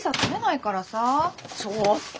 ちょっと！